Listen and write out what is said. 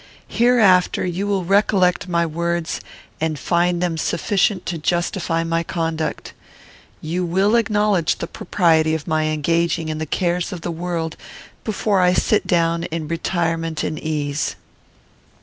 Hereafter you will recollect my words, and find them sufficient to justify my conduct. You will acknowledge the propriety of my engaging in the cares of the world before I sit down in retirement and ease."